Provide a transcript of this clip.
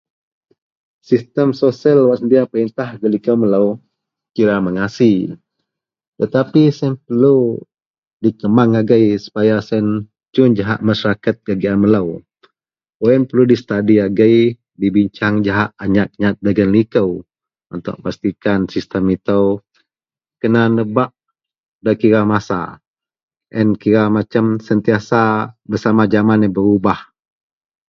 . Sistem sosial wak senedia peritah gak likou melou kira mengasi angai tetapi siyen perelu dikembang agei supaya siyen cun jahak masaraket gak gian melou. Yen perelu distadi agei, dibincang jegahak a nyat-nyat dagen likou untuk pastikan sistem itou kena nebak nda kira masa. A yen kira macem sentiasa bersama jaman yen berubah.